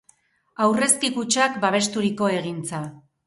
Aurrezki Kutxak babesturiko egintza.